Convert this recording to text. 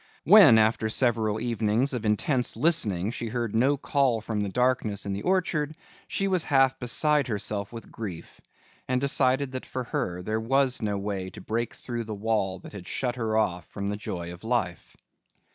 When after several evenings of intense listening she heard no call from the darkness in the orchard, she was half beside herself with grief and decided that for her there was no way to break through the wall that had shut her off from the joy of life.